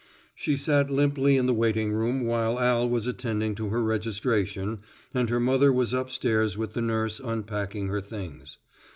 She sat limply in the waiting room while Al was attending to her registration and her mother was upstairs with the nurse unpacking her things.